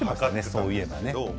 そう言えばね。